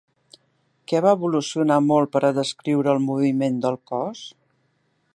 Què va evolucionar molt per a descriure el moviment del cos?